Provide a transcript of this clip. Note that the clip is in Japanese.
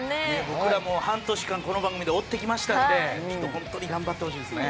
僕ら、もう半年間この番組で追ってきましたので本当に頑張ってほしいですね。